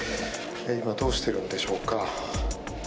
今、どうしているのでしょうか。